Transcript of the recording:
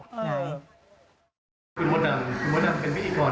คุณมัวดำคุณมัวดำเป็นมิจิกร